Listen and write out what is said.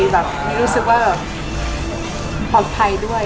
แบบรู้สึกว่าปลอดภัยด้วย